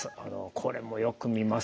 これもよく見ます。